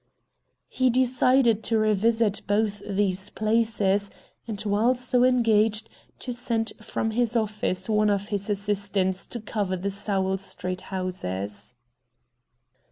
He decided to revisit both these places, and, while so engaged, to send from his office one of his assistants to cover the Sowell Street houses.